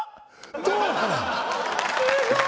どう？